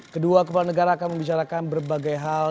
kedua kepala negara akan membicarakan berbagai hal